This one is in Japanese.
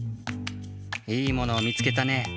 いいものをみつけたね。